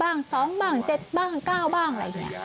๔บ้าง๑บ้าง๒บ้าง๗บ้าง๙บ้าง